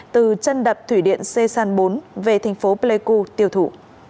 từ chân đập thủy điện sê san bốn về thành phố pleiku tiêu thụ